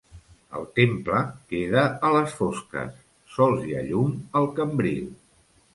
El temple queda a les fosques, sols hi ha llum al cambril.